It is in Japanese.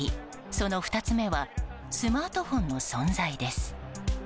その２つ目はスマートフォンの存在です。